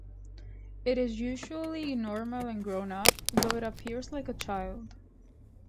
It is usually normal and grown up though it appears like a child.